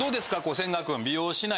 千賀君。